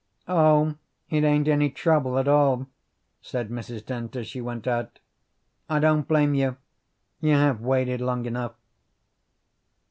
"Oh, it ain't any trouble at all," said Mrs. Dent as she went out. "I don't blame you; you have waited long enough."